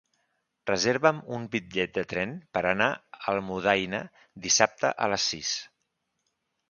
Reserva'm un bitllet de tren per anar a Almudaina dissabte a les sis.